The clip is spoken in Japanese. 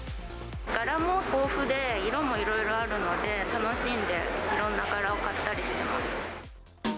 柄も豊富で、色もいろいろあるので、楽しんで、いろんな柄を買ったりしてます。